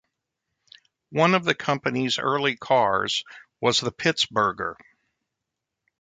One of the company's early cars was the Pittsburgher.